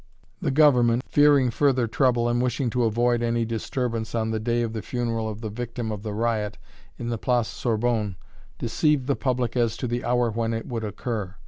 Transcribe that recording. The Government, fearing further trouble and wishing to avoid any disturbance on the day of the funeral of the victim of the riot in the Place Sorbonne, deceived the public as to the hour when it would occur.